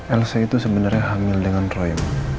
elsa itu sebenernya hamil dengan roy